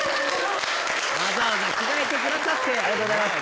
・わざわざ着替えてくださってありがとうございます